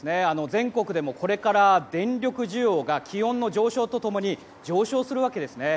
全国でもこれから電力需要が気温の上昇と共に上昇するわけですね。